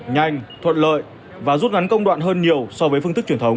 nhanh thuận lợi và rút ngắn công đoạn hơn nhiều so với phương thức truyền thống